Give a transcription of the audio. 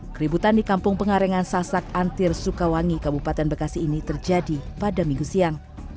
keributan di kampung pengarengan sasak antir sukawangi kabupaten bekasi ini terjadi pada minggu siang